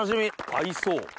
合いそう。